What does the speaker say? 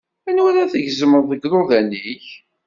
Anwa ar ad tgezmeḍ deg iḍudan-ik?